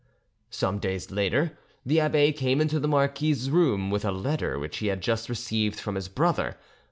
Some days later, the abbe came into the marquise's room with a letter which he had just received from his brother.